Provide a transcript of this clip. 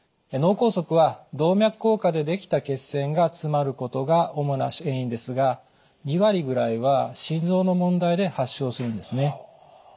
脳梗塞は動脈硬化でできた血栓が詰まることが主な原因ですが２割ぐらいは心臓の問題で発症するんですね。